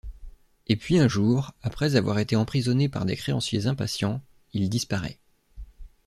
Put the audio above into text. Et puis un jour, après avoir été emprisonné par des créanciers impatients, il disparaît...